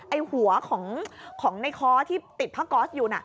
ไอ้หัวของในค้อที่ติดพระกอสอยู่